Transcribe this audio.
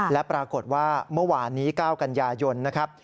และปรากฏว่าเมื่อวานนี้๙กันยายนนะครับ